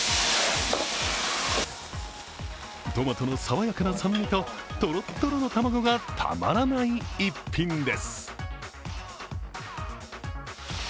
トマトの爽やかな酸味ととろっとろの卵がたまらない逸品です。